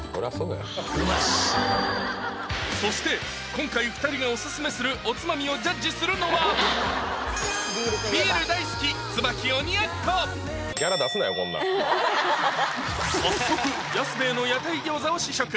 そして今回２人がオススメするおつまみをジャッジするのは早速安兵衛の屋台餃子を試食！